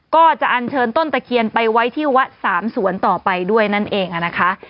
ก็จะอันเชิญต้นตะเคียนไปไว้ที่วัดสามสวนต่อไปด้วยนั่นเองนะคะ